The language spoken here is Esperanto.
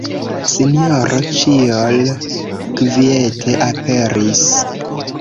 Sinjoro Ĉiol kviete aperis.